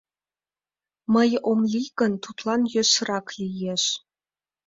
Мый ом лий гын, тудлан йӧсырак лиеш.